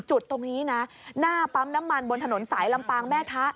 จุดตรงนี้นะหน้าปั๊มน้ำมันบนถนนสายลำปางแม่ทะ